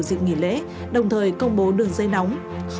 dịp nghỉ lễ đồng thời công bố đường dây nóng